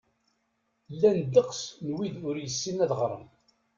Llan ddeqs n wid ur yessinen ad ɣren.